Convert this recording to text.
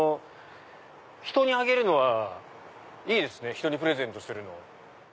人にあげるのはいいですねプレゼントするのは。